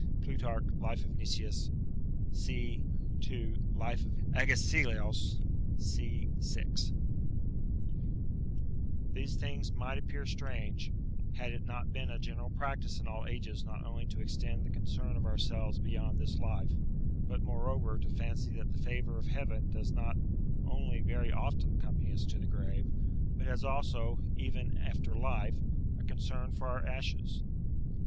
[Plutarch, Life of Nicias, c. ii.; Life of Agesilaus, c. vi.] These things might appear strange, had it not been a general practice in all ages not only to extend the concern of ourselves beyond this life, but, moreover, to fancy that the favour of Heaven does not only very often accompany us to the grave, but has also, even after life, a concern for our ashes.